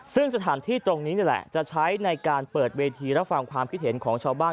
ซึ่งสถานที่ตรงนี้นี่แหละจะใช้ในการเปิดเวทีรับฟังความคิดเห็นของชาวบ้าน